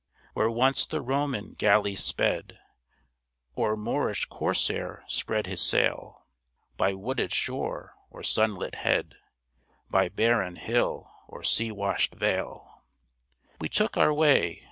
Where once the Roman galley sped, Or Moorish corsair spread his sail, By wooded shore, or sunlit head, By barren hill or sea washed vale We took our way.